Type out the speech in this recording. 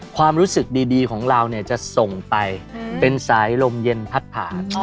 ความรู้สึกดีของเราเนี่ยจะส่งไปเป็นสายลมเย็นพัดผ่าน